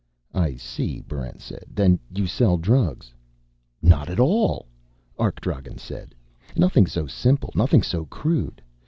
"I see," Barrent said. "Then you sell drugs." "Not at all!" Arkdragen said. "Nothing so simple, nothing so crude.